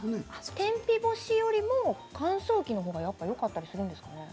天日干しより乾燥機のほうがよかったりするんですかね。